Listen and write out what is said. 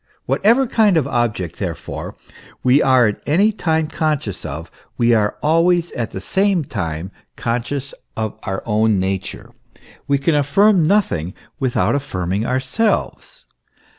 . Whatever kind of object, therefore, we are at any time conscious of, we are always at the same time conscious of our own nature; w r e can affirm nothing without affirming ourselves.